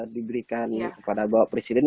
diberikan kepada bapak presiden